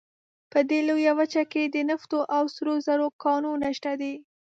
په دې لویه وچه کې د نفتو او سرو زرو کانونه شته دي.